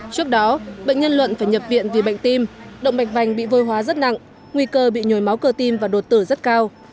trước đó bệnh nhân luận phải nhập viện vì bệnh tim động mạch vành bị vôi hóa rất nặng nguy cơ bị nhồi máu cơ tim và đột tử rất cao